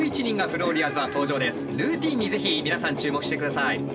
ルーティーンにぜひ皆さん注目して下さい。